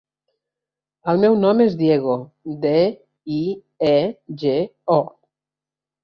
El meu nom és Diego: de, i, e, ge, o.